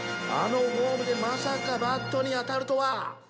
あのフォームでまさかバットに当たるとは！